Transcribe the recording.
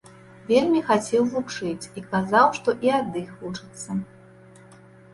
Вельмі хацеў вучыць і казаў, што і ад іх вучыцца.